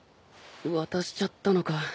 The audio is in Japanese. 渡しちゃったのか。